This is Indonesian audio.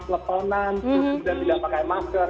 peleponan justru tidak pakai masker